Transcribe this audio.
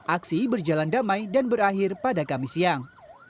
aksi berjalan damai dan berakhir pada kamis siang